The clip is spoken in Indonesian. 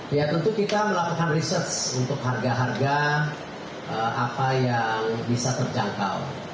ya tentu kita melakukan research untuk harga harga apa yang bisa terjangkau